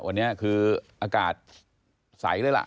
วันนี้คืออากาศใสเลยล่ะ